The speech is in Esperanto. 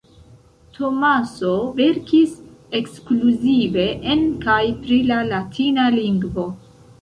Tomaso verkis ekskluzive en kaj pri la latina lingvo.